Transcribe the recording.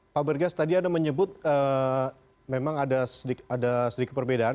pak bergas tadi anda menyebut memang ada sedikit perbedaan